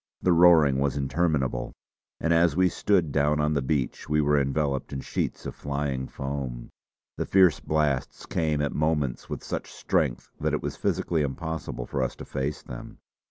The roaring was interminable, and as we stood down on the beach we were enveloped in sheets of flying foam. The fierce blasts came at moments with such strength that it was physically impossible for us to face them.